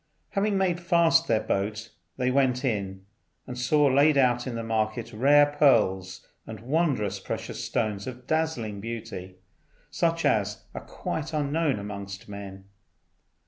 Having made fast their boat they went in, and saw laid out in the market rare pearls and wondrous precious stones of dazzling beauty, such as are quite unknown amongst men.